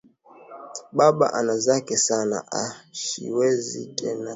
Baba ana zeka sana ashiwezi tena kurima